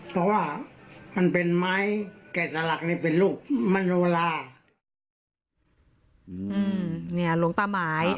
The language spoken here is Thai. เพราะว่ามันเป็นไม้แก่สลักนี่เป็นลูกมโนลาอืมเนี่ยหลวงตาหมาย